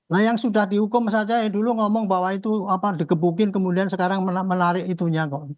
nah yang sudah dihukum saja yang dulu ngomong bahwa itu apa digebukin kemudian sekarang menarik itunya kok